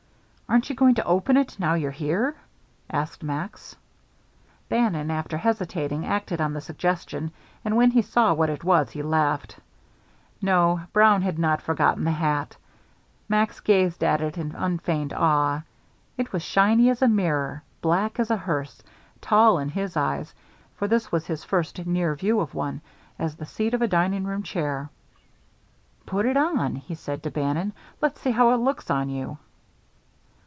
"Aren't you going to open it, now you're here?" asked Max. Bannon, after hesitating, acted on the suggestion, and when he saw what it was, he laughed. No, Brown had not forgotten the hat! Max gazed at it in unfeigned awe; it was shiny as a mirror, black as a hearse, tall, in his eyes for this was his first near view of one as the seat of a dining room chair. "Put it on," he said to Bannon. "Let's see how it looks on you."